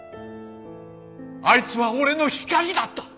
あいつは俺の光だった。